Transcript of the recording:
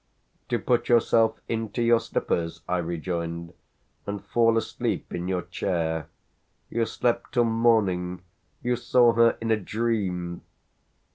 "To put yourself into your slippers," I rejoined, "and fall asleep in your chair. You slept till morning you saw her in a dream!"